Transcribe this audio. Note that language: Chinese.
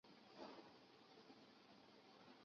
巴氏合金是具有减摩特性的锡基和铅基轴承合金。